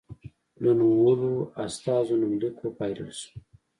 د نومولو استازو نومليک وپايلل شو.